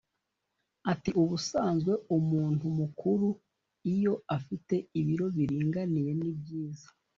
ati “Ubusanzwe umuntu mukuru iyo afite ibiro biringaniye ni byiza